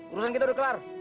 urusan kita udah kelar